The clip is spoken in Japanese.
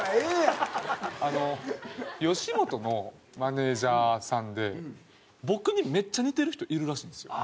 あの吉本のマネージャーさんで僕にめっちゃ似てる人いるらしいんですよ。